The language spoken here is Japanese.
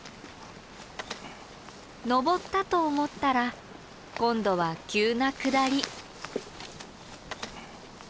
登ったと思ったら今度は急な下り。